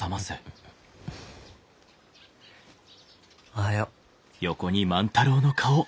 ・おはよう。